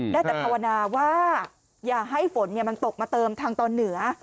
ได้แต่ภาวนาว่าอย่าให้ฝนมันตกมาเติมทางตอนเหนือ